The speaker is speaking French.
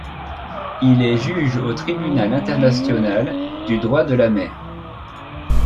Il est juge au Tribunal international du droit de la mer.